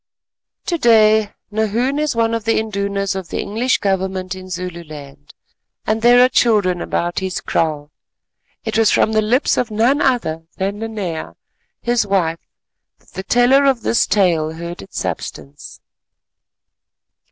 To day Nahoon is one of the Indunas of the English Government in Zululand, and there are children about his kraal. It was from the lips of none other than Nanea his wife that the teller of this tale heard its substance.